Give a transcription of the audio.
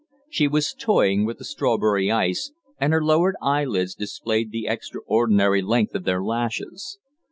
She was toying with a strawberry ice, and her lowered eyelids displayed the extraordinary length of their lashes.